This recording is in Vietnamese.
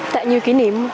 tạo nhiều kỷ niệm